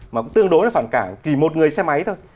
mà cũng tương đối là khoảng cả kỳ một người xe máy thôi